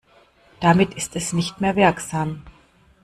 Damit ist es nicht mehr wirksam.